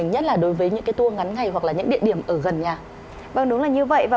nhất là đối với những cái tour ngắn ngày hoặc là những địa điểm ở gần nhà vâng đúng là như vậy và